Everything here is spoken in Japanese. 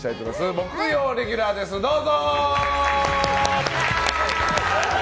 木曜レギュラーどうぞ！